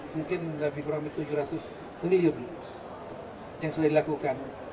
tujuh ratus mungkin lebih kurang tujuh ratus miliun yang sudah dilakukan